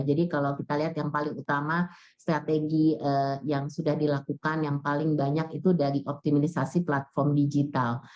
jadi kalau kita lihat yang paling utama strategi yang sudah dilakukan yang paling banyak itu dari optimisasi platform digital